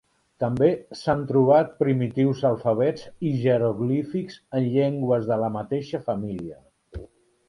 També s'han trobat primitius alfabets i jeroglífics en llengües de la mateixa família.